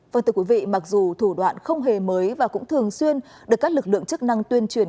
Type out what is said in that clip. vâng thưa quý vị mặc dù thủ đoạn không hề mới và cũng thường xuyên được các lực lượng chức năng tuyên truyền